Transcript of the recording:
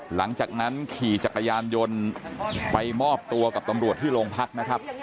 หลังจากนั้นขี่จักรยานยนต์ไปมอบตัวกับตำรวจที่โรงพักนะครับ